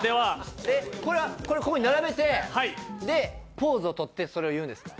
これ、ここに並べてポーズをとって言うんですか？